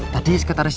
tadi sekretaris jalanan